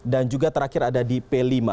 dan juga terakhir ada di p lima